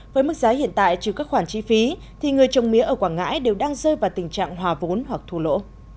với mức giá hiện tại trừ các khoản chi phí thì người trồng mía ở quảng ngãi đều đang rơi vào tình trạng hòa vốn hoặc thua lỗ